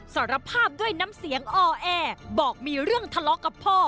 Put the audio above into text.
สารภาพด้วยน้ำเสียงออแอบอกมีเรื่องทะเลาะกับพ่อ